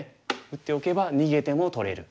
打っておけば逃げても取れる。